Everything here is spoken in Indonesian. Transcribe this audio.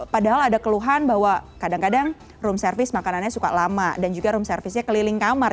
padahal ada keluhan bahwa kadang kadang room service makanannya suka lama dan juga room service nya keliling kamar